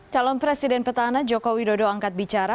calon presiden petana jokowi dodo angkat bicara